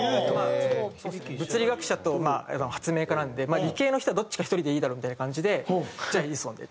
物理学者と発明家なんで理系の人はどっちか１人でいいだろみたいな感じでじゃあエジソンで。